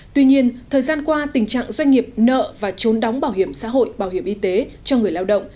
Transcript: tuy nhiên thời gian qua tình trạng doanh nghiệp nợ và trốn đóng bảo hiểm xã hội bảo hiểm y tế cho người lao động